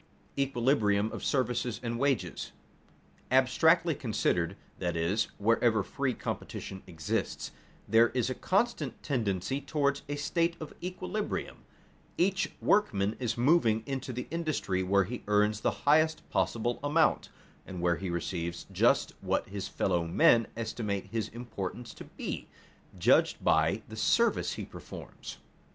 [Sidenote: Equilibrium of services and wages] Abstractly considered, that is, wherever free competition exists, there is a constant tendency toward a state of equilibrium; each workman is moving into the industry where he earns the highest possible amount, and where he receives just what his fellow men estimate his importance to be, judged by the service he performs.